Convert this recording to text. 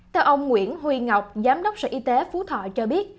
theo ông nguyễn huy ngọc giám đốc sở y tế phú thọ cho biết